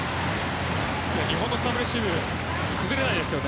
日本のサーブレシーブ崩れないです。